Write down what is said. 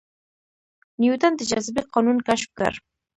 نیوټن د جاذبې قانون کشف کړ